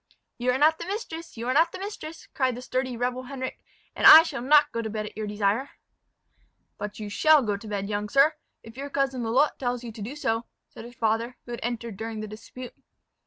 "You are not the mistress you are not the mistress!" cried the sturdy rebel Henric; "and I shall not go to bed at your desire." "But you shall go to bed, young sir, if your cousin Lalotte tells you so to do," said his father, who had entered during the dispute.